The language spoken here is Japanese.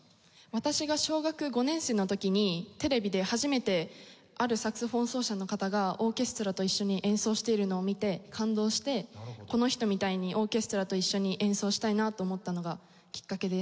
私が小学５年生の時にテレビで初めてあるサクソフォン奏者の方がオーケストラと一緒に演奏しているのを見て感動してこの人みたいにオーケストラと一緒に演奏したいなと思ったのがきっかけです。